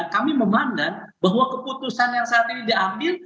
kami memandang bahwa keputusan yang saat ini diambil